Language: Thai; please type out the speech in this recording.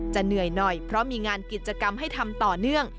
เหนื่อยหน่อยเพราะมีงานกิจกรรมให้ทำต่อเนื่อง